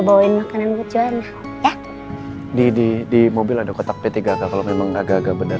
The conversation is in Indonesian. bawain makanan bujuan ya di mobil ada kotak p tiga kalau memang agak agak bener